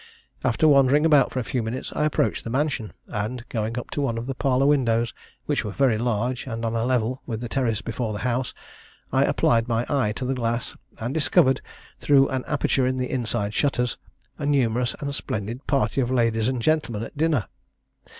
After wandering about for a few minutes, I approached the mansion, and, going up to one of the parlour windows, which were very large, and on a level with the terrace before the house, I applied my eye to the glass, and discovered, through an aperture in the inside shutters, a numerous and splendid party of ladies and gentlemen at dinner.